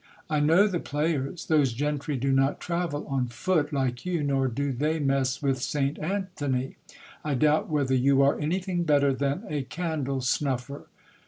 I know the players ; those gentry do not travel on f x>t, like you, nor do they mess with St Anthony. I doubt whether you are anything better than a candle snuffer.